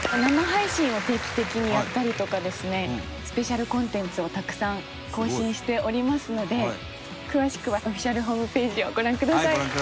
生配信を定期的にやったりとかですねスペシャルコンテンツをたくさん更新しておりますので詳しくはオフィシャルホームページをご覧ください。